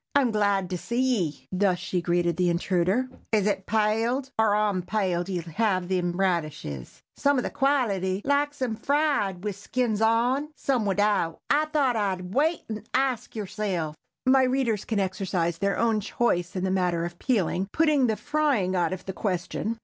"I'm glad to see ye," thus she greeted the intruder. "Is it paled or _on_paled ye'll have them radishes? Some of the quality likes 'em fried wid the skins on—some widout. I thought I'd wait and ask yerself." My readers can exercise their own choice in the matter of peeling, putting the frying out of the question.